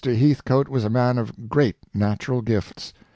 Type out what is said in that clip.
Heathcoat was a man of great natural gifts.